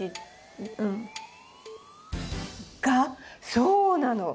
そうなの。